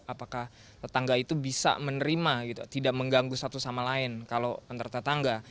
apakah tetangga itu bisa menerima gitu tidak mengganggu satu sama lain kalau antar tetangga